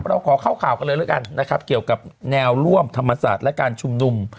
เราขอเข้าข่าวกันเลยแล้วกันนะครับเกี่ยวกับแนวร่วมธรรมศาสตร์และการชุมนุม